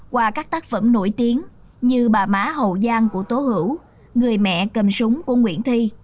qua các tác phẩm nổi tiếng như bà má hậu giang của tố hữu người mẹ cầm súng của nguyễn thi